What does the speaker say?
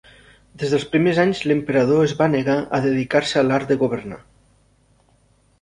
Des dels primers anys l'emperador es va negar a dedicar-se a l'art de governar.